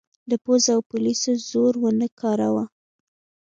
د پوځ او پولیسو زور ونه کاراوه.